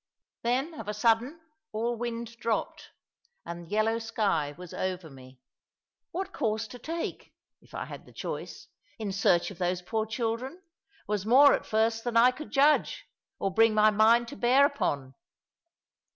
Then of a sudden all wind dropped, and yellow sky was over me. What course to take (if I had the choice) in search of those poor children, was more at first than I could judge, or bring my mind to bear upon.